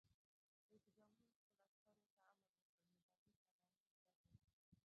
رئیس جمهور خپلو عسکرو ته امر وکړ؛ نظامي سلامي زده کړئ!